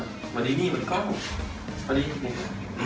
สวัสดีนี่สวัสดีก้อน